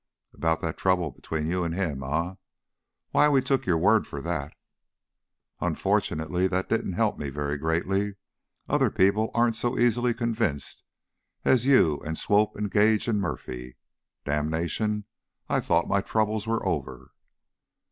"About that trouble between you an' him, eh? Why, we took your word for that." "Unfortunately, that didn't help me very greatly. Other people aren't so easily convinced as you and Swope and Gage and Murphy. Damnation! I thought my troubles were over."